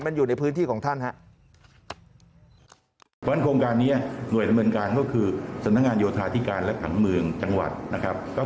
มันอยู่ในพื้นที่ของท่านครับ